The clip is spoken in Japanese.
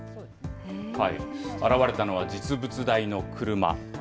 現れたのは実物大の車。